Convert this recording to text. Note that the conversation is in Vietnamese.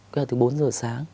cứ là từ bốn giờ sáng